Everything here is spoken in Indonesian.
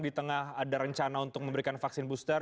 di tengah ada rencana untuk memberikan vaksin booster